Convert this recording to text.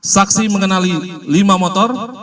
saksi mengenali lima motor